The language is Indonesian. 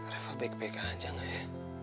reva baik baik aja gak ya